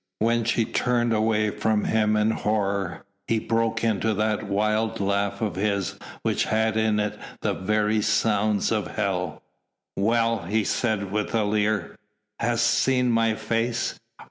When she turned away from him in horror, he broke into that wild laugh of his which had in it the very sounds of hell. "Well!" he said with a leer, "hast seen my face?